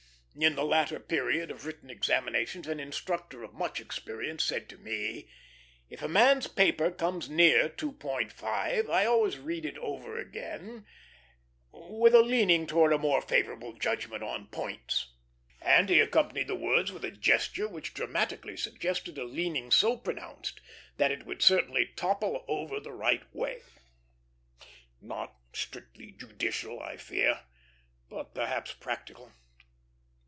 In the later period of written examinations an instructor of much experience said to me, "If a man's paper comes near 2.5, I always read it over again with a leaning towards a more favorable judgment on points;" and he accompanied the words with a gesture which dramatically suggested a leaning so pronounced that, it would certainly topple over the right way. Not strictly judicial, I fear, but perhaps practical.